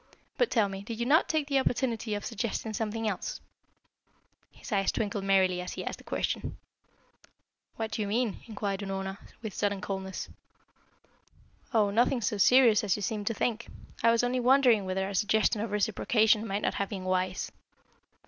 But tell me, did you not take the opportunity of suggesting something else?" His eyes twinkled merrily, as he asked the question. "What do you mean?" inquired Unorna, with sudden coldness. "Oh, nothing so serious as you seem to think. I was only wondering whether a suggestion of reciprocation might not have been wise."